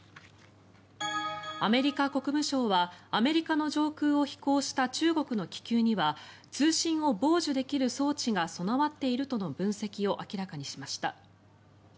アメリカ国務省はアメリカの上空を飛行した中国の気球には通信を傍受できる装置が備わっているとの分析を明らかにしました。